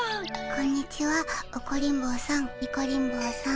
こんにちはオコリン坊さんニコリン坊さん。